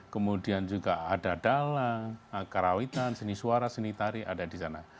kemudian juga ada dalang karawitan seni suara seni tari ada di sana